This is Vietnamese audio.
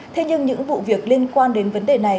thế nhưng những vụ việc liên quan đến vấn đề này